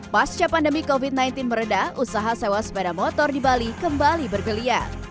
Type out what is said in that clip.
pasca pandemi covid sembilan belas meredah usaha sewa sepeda motor di bali kembali bergeliat